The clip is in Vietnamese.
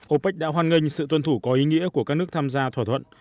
opec hoan nghênh sự tuân thủ có ý nghĩa của các nước tham gia thỏa thuận